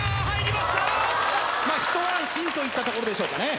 まあ一安心といったところでしょうかね